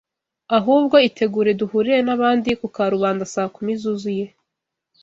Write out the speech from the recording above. Ahubwo itegure duhurire n’abandi ku karubanda saa kumi zuzuye